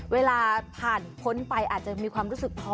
เวลาผ่านพ้นไปอาจจะมีความรู้สึกพอ